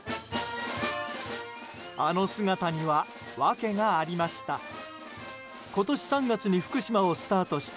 あの姿には訳がありました。